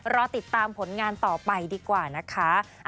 รอติดตามผลงานต่อไปดีกว่านะคะ